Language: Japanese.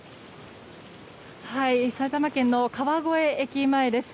埼玉県の川越駅前です。